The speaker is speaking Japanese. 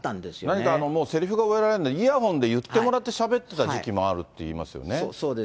何かもう、せりふが覚えられなくてイヤホンで言ってもらってしゃべってた時期もあるっていうふうにいいますよね。